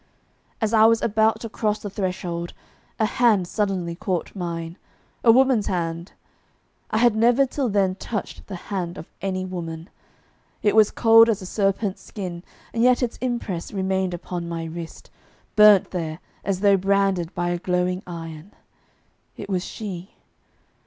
As I was about to cross the threshold a hand suddenly caught mine a woman's hand! I had never till then touched the hand of any woman. It was cold as a serpent's skin, and yet its impress remained upon my wrist, burnt there as though branded by a glowing iron. It was she.